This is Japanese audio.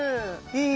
いい。